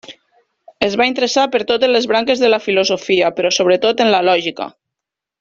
Es va interessar per totes les branques de la Filosofia, però sobretot en la Lògica.